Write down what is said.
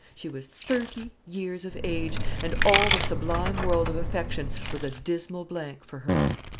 She was thirty years of age, and all the sublime world of affection was a dismal blank for her.